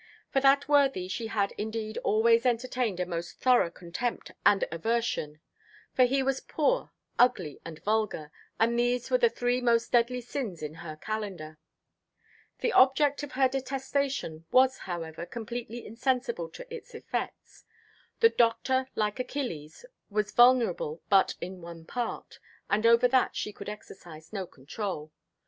For that worthy she had indeed always entertained a most thorough contempt and aversion; for he was poor, ugly, and vulgar, and these were the three most deadly sins in her calendar. The object of her detestation was, however, completely insensible to its effects. The Doctor, like Achilles, was vulnerable but in one part, and over that she could exercise no control.